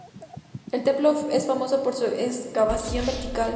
El templo es famoso por su excavación vertical.